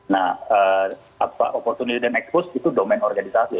nah apa opportunity dan expose itu domain organisasi ya